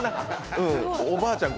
おばあちゃん